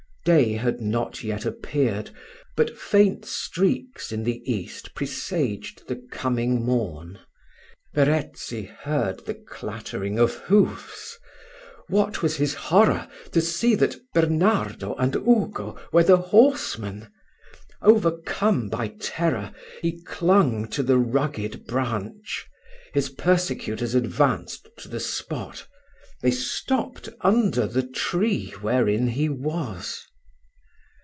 Day had not yet appeared, but faint streaks in the east presaged the coming morn. Verezzi heard the clattering of hoofs What was his horror to see that Zastrozzi, Bernardo, and Ugo, were the horsemen! Overcome by terror, he clung to the rugged branch. His persecutors advanced to the spot they stopped under the tree wherein he was.